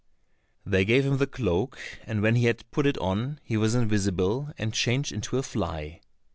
They gave him the cloak, and when he had put it on, he was invisible and changed into a fly.